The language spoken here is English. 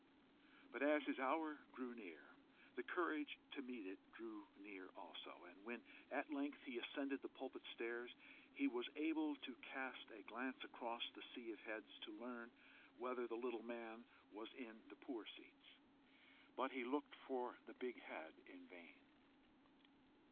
But as his hour drew near, the courage to meet it drew near also, and when at length he ascended the pulpit stairs, he was able to cast a glance across the sea of heads to learn whether the little man was in the poor seats. But he looked for the big head in vain.